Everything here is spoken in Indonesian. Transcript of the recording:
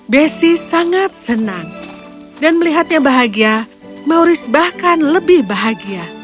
besi sangat senang dan melihatnya bahagia mauris bahkan lebih bahagia